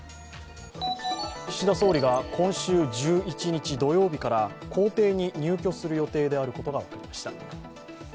岸田総理が今週１１日土曜日から公邸に入居する予定であることが分かりました。